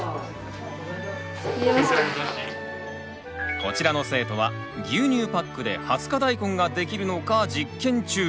こちらの生徒は牛乳パックで二十日大根ができるのか実験中。